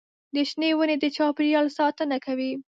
د شنې ونې د چاپېریال ساتنه کوي.